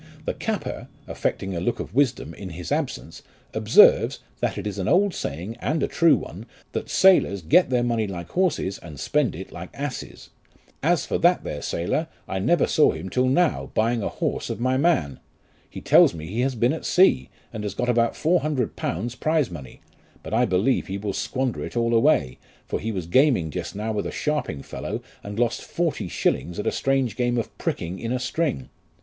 The capper, affecting a look of wisdom in his absence, observes, that it is an old saying, and a true one, that sailors get their money like horses, and spend it like asses ; as for that there sailor, I never saw him till now, buying a horse of my man ; he tells me he has been at sea, and has got about four hundred pounds prize money, but I believe he will squander it all away, for he was gaming just now with a sharping fellow and lost forty shillings at a strange game of pricking in a string.